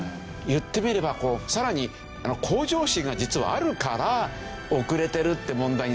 言ってみればさらに向上心が実はあるから遅れてるって問題にするんじゃないかな。